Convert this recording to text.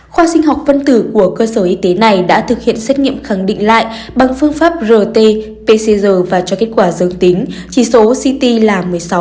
khoa sinh học phân tử của cơ sở y tế này đã thực hiện xét nghiệm khẳng định lại bằng phương pháp rt pcr và cho kết quả dương tính chỉ số ct là một mươi sáu